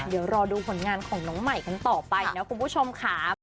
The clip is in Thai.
เดี๋ยวรอดูผลงานของน้องใหม่กันต่อไปนะคุณผู้ชมค่ะ